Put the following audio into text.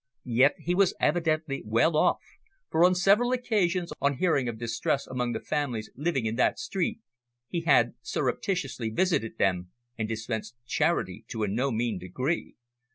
Yet he was evidently well off, for on several occasions, on hearing of distress among the families living in that street, he had surreptitiously visited them and dispensed charity to a no mean degree.